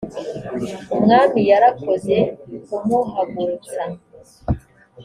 umwami yarakoze kumuhagurutsa